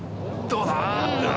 どうだ？